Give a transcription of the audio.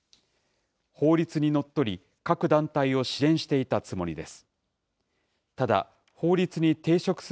法律にのっとり、各団体を支援していたつもりです。